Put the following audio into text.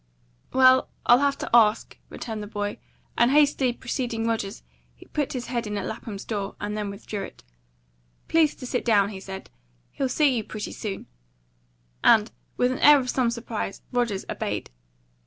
"Well, I'll have to ask," returned the boy; and hastily preceding Rogers, he put his head in at Lapham's door, and then withdrew it. "Please to sit down," he said; "he'll see you pretty soon;" and, with an air of some surprise, Rogers obeyed.